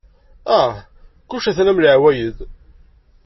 Ah, kullec atan am leɛwayed.